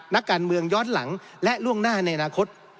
นักการเมืองย้อนหลังและล่วงหน้าในอนาคต